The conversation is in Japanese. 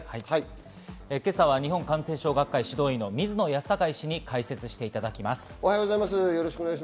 今朝は日本感染症学会・指導医、水野泰孝医師に解説していただきます。